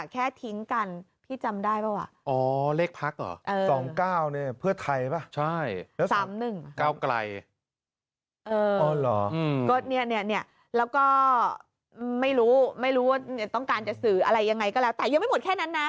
ไม่รู้ไม่รู้ว่าต้องการจะสื่ออะไรยังไงก็แล้วแต่ยังไม่หมดแค่นั้นนะ